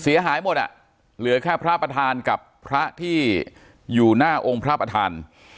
เสียหายหมดอ่ะเหลือแค่พระประธานกับพระที่อยู่หน้าองค์พระประธาน